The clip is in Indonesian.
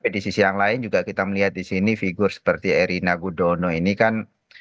di sisi yang lain juga kita melihat di sini figur seperti erina gudono ini kan